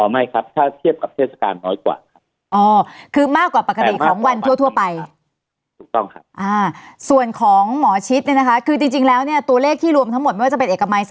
อ๋อไม่ครับถ้าเทียบกับเทศกาลน้อยกว่าครับคือมากกว่าปกติของวันทั่วไป